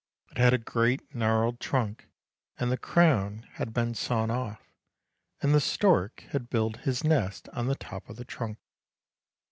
It had a great gnarled trunk, and the crown had been sawn off, and the stork had built his nest on the top of the trunk.